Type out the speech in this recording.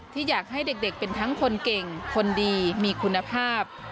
ที่อยากให้เด็กเป็นทั้งคนเก่งคนดีมีคุณภาพ